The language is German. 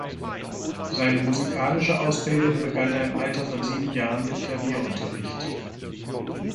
Seine musikalische Ausbildung begann er im Alter von sieben Jahren mit Klavierunterricht.